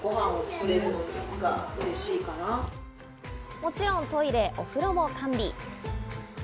もちろんトイレ、お風呂も完備。